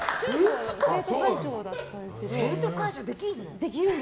生徒会長できるの？